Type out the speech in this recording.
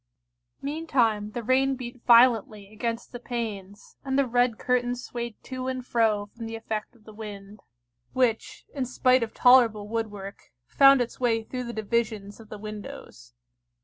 Meantime the rain beat violently against the panes, and the red curtains swayed to and fro from the effect of the wind, which, in spite of tolerable woodwork, found its way through the divisions of the windows.